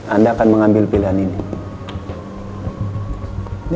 anda akan mengambil pilihan ini